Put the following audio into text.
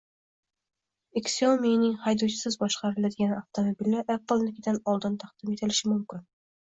Xiaomi’ning haydovchisiz boshqariladigan avtomobili Apple’nikidan oldin taqdim etilishi mumkin